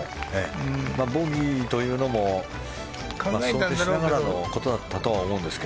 ボギーというのも予測しながらのことだったと思うんですが。